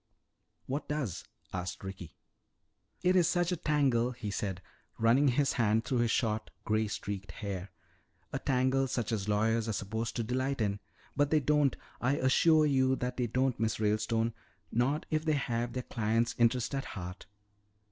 "What does?" asked Ricky. "It is such a tangle," he said, running his hand through his short, gray streaked hair. "A tangle such as lawyers are supposed to delight in. But they don't, I assure you that they don't, Miss Ralestone. Not if they have their client's interest at heart.